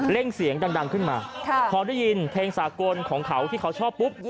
่งเสียงดังขึ้นมาพอได้ยินเพลงสากลของเขาที่เขาชอบปุ๊บ